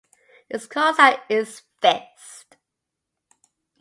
Its callsign is Fist.